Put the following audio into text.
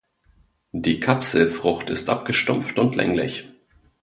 Die Kapselfrucht ist abgestumpft und länglich.